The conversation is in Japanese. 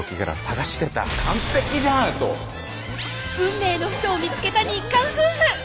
運命の人を見つけた日韓夫婦